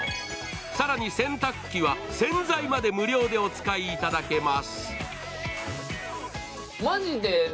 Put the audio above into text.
更に洗濯機は洗剤まで無料でお使いいただけます。